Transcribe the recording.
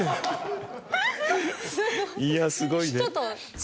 いやすごいね。